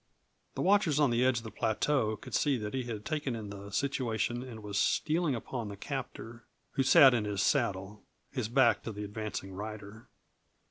The watchers on the edge of the plateau could see that he had taken in the situation and was stealing upon the captor, who sat in his saddle, his back to the advancing rider.